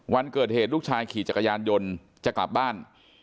วันเกิดเหตุลูกชายขี่จักรยานยนต์จะกลับบ้าน